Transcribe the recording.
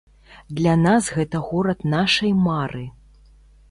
Для нас гэта горад нашай мары.